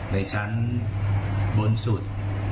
ในชั้นบนสุด